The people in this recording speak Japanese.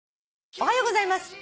「おはようございます。